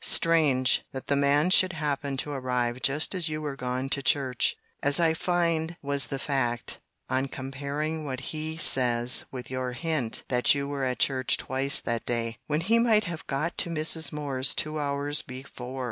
Strange, that the man should happen to arrive just as you were gone to church, (as I find was the fact, on comparing what he says with your hint that you were at church twice that day,) when he might have got to Mrs. Moore's two hours before!